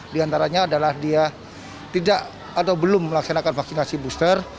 di antaranya adalah dia tidak atau belum melaksanakan vaksinasi booster